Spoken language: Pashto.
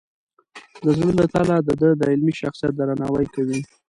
د زړه له تله د ده د علمي شخصیت درناوی کوي.